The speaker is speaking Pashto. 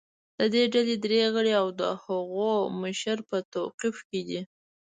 د دې ډلې درې غړي او د هغو مشر په توقیف کې دي